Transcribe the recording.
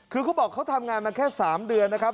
คือเขาบอกเขาทำงานมาแค่๓เดือนนะครับ